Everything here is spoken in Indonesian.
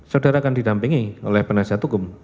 saudara akan didampingi oleh penasihat hukum